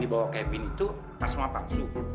dibawa ke cabin itu asma palsu